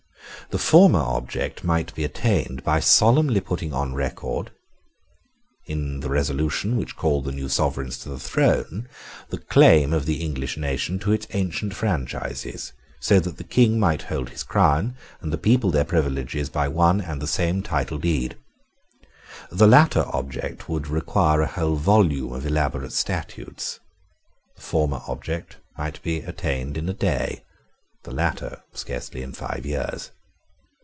The former object might be attained by solemnly putting on record, in the resolution which called the new sovereigns to the throne, the claim of the English nation to its ancient franchises, so that the King might hold his crown, and the people their privileges, by one and the same title deed. The latter object would require a whole volume of elaborate statutes. The former object might be attained in a day; the latter, scarcely in five years.